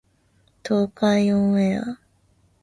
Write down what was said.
東海オンエア